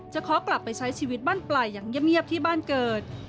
จะขอกลับไปใช้ชีวิตบ้านไปล่อย่างเยี่ยมเยี่ยมที่บ้านเกิด